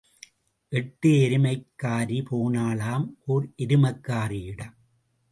எட்டு எருமைக்காரி போனாளாம், ஓர் எருமைக்காரியிடம்.